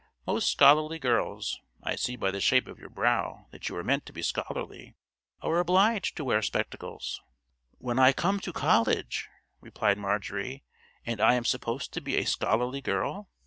Most scholarly girls—I see by the shape of your brow that you are meant to be scholarly—are obliged to wear spectacles." "When I come to college!" replied Marjorie, "and I am supposed to be a scholarly girl.